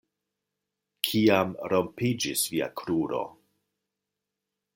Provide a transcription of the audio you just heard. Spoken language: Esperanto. Kiam rompiĝis via kruro?